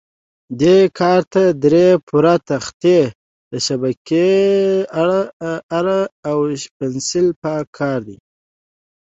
دې کار ته درې پوره تخته، د شبکې اره او پنسل په کار دي.